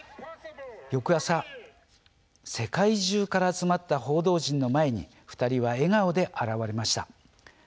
翌朝、世界中から集まった報道陣の前に２人は笑顔で現れました。